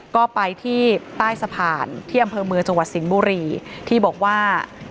ก็ไปที่ใต้สะพานที่อำเภอเมืองจังหวัดสิงห์บุรีที่บอกว่า